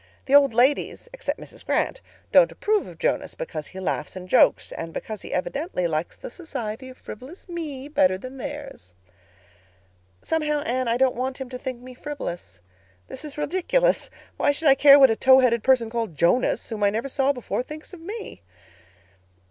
The old ladies—except Mrs. Grant—don't approve of Jonas, because he laughs and jokes—and because he evidently likes the society of frivolous me better than theirs. "Somehow, Anne, I don't want him to think me frivolous. This is ridiculous. Why should I care what a tow haired person called Jonas, whom I never saw before thinks of me?